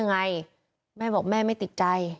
พุ่งเข้ามาแล้วกับแม่แค่สองคน